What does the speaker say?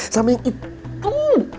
sama yang itu